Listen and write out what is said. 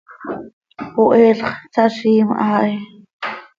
Poheel x, saziim haa hi.